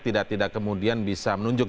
tidak tidak kemudian bisa menunjuk